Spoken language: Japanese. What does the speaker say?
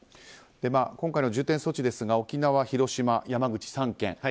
今回の重点措置ですが沖縄、広島、山口の３県。